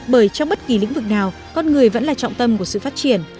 bởi trong bất kỳ lĩnh vực nào con người vẫn là trọng tâm của sự phát triển